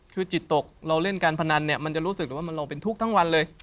คือจิตตกเราเล่นการพนันเนี่ยมันจะรู้สึกเลยว่าเราเป็นทุกข์ทั้งวันเลย